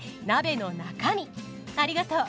ありがとう。